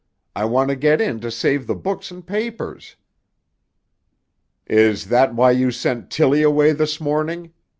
I want to get in to save the books and papers." "Is that why you sent Tilly away this morning?"